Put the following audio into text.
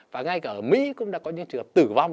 và ngay cả ở mỹ cũng đã có những trường hợp tử vong